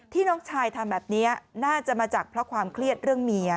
น้องชายทำแบบนี้น่าจะมาจากเพราะความเครียดเรื่องเมีย